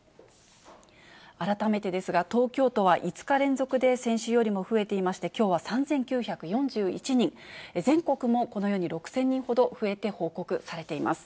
改めてですが、東京都は５日連続で先週よりも増えていまして、きょうは３９４１人、全国もこのように６０００人ほど増えて報告されています。